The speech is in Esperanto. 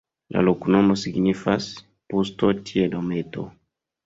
La loknomo signifas: pusto-tie-dometo.